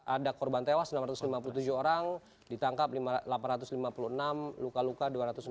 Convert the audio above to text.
ada korban tewas enam ratus lima puluh tujuh orang ditangkap delapan ratus lima puluh enam luka luka dua ratus enam puluh